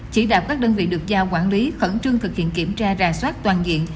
chỉ đạo các đơn vị được giao quản lý khẩn trương thực hiện kiểm tra rà soát toàn diện